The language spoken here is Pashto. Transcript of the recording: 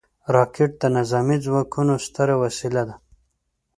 راکټ د نظامي ځواکونو ستره وسله ده